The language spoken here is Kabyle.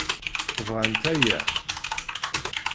Bɣant aya.